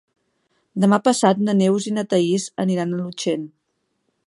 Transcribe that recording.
Demà passat na Neus i na Thaís aniran a Llutxent.